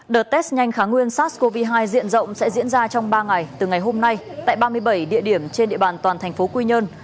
đợt test nhanh kháng nguyên sars cov hai diện rộng sẽ diễn ra trong ba ngày từ ngày hôm nay tại ba mươi bảy địa điểm trên địa bàn toàn thành phố quy nhơn